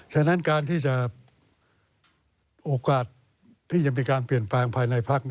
ฉะนั้นการที่จะโอกาสที่จะมีการเปลี่ยนแปลงภายในพัก